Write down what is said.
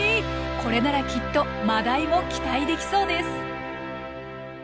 これならきっとマダイも期待できそうです。